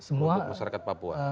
untuk masyarakat papua